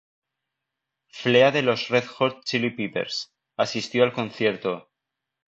Flea de los Red Hot Chili Peppers asistió al concierto.